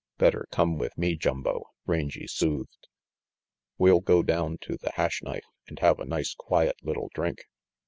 "Better come with me, Jumbo," Rangy soothed. "We'll go down to the Hash Knife and have a nice quiet little drink.